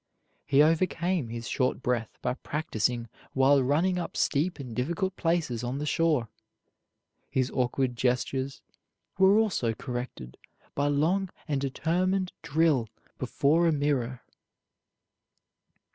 He overcame his short breath by practising while running up steep and difficult places on the shore. His awkward gestures were also corrected by long and determined drill before a mirror.